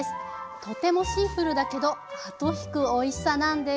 とてもシンプルだけど後引くおいしさなんです。